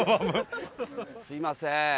すいません。